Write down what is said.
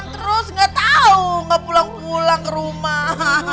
terus gak tau gak pulang pulang ke rumah